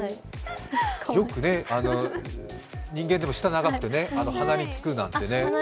よく人間でも舌長くて鼻につくなんてね。